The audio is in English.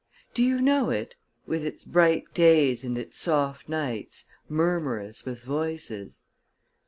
Do you know it, with its bright days and its soft nights, murmurous with voices?